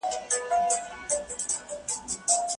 دولت به په امنیتي سکټور کي پانګونه وکړي.